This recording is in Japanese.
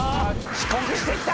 遅刻してきた。